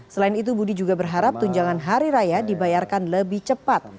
selain itu budi juga berharap tunjangan hari raya dibayarkan lebih cepat